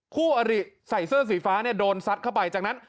คู่อริใส่เสื้อสีฟ้าเนี่ยโดนซัดเข้าไปจากนั้น